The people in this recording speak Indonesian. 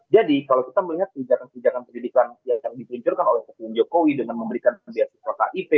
jadi kalau kita melihat kebijakan kebijakan pendidikan yang dipelincurkan oleh ketua jokowi dengan memberikan pembayaran kip